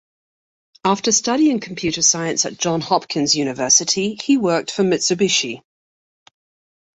After studying computer science at Johns Hopkins University, he worked for Mitsubishi.